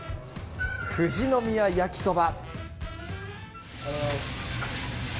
富士宮やきそば。